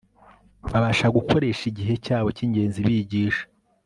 Babasha gukoresha igihe cyabo cyingenzi bigisha